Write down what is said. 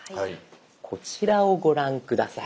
こちらをご覧下さい。